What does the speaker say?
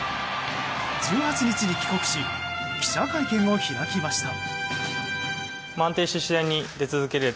１８日に帰国し記者会見を開きました。